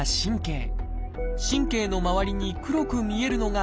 神経の周りに黒く見えるのがじん帯。